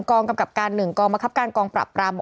กองกำกับการหนึ่งกองมหักครับการกองปรับราม